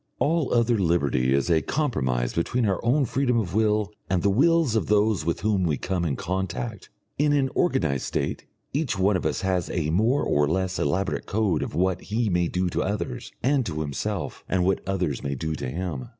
All other liberty is a compromise between our own freedom of will and the wills of those with whom we come in contact. In an organised state each one of us has a more or less elaborate code of what he may do to others and to himself, and what others may do to him.